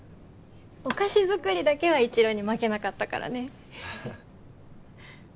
お菓子作りだけは一狼に負けなかったからね。